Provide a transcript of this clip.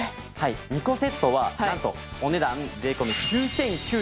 ２個セットはなんとお値段税込９９８０円です。